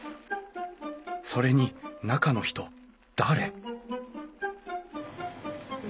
それに中の人誰？